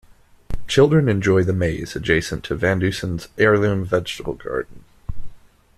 Children enjoy the maze adjacent to Vandusen's heirloom vegetable garden.